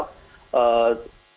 terutama di kota delawang